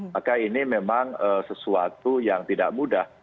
maka ini memang sesuatu yang tidak mudah